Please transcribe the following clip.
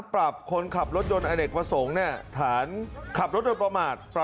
เพื่อนของออเซินอันตรีเยอะตัวเราจอด